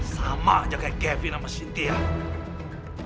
sama aja kayak gavine sama tia